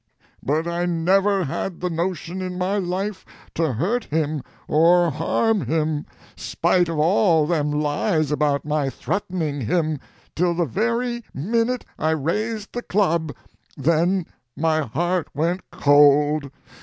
But I never had the notion in my life to hurt him or harm him, spite of all them lies about my threatening him, till the very minute I raised the club—then my heart went cold!